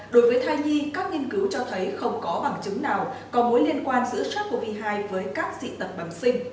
đối với thai nhi các nghiên cứu cho thấy không có bằng chứng nào có mối liên quan giữ chất covid hai với các dị tật bằng sinh